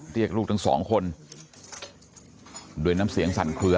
เรียกลูกทั้งสองคนโดยน้ำเสียงสั่นเคลือ